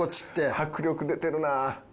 迫力出てるなあ。